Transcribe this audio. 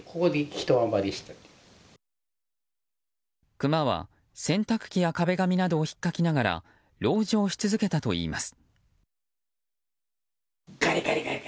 クマは洗濯機や壁紙などを引っかきながら籠城し続けたといいます。